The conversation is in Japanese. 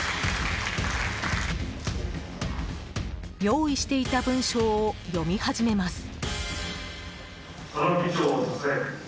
用意していた文章を読み始めます。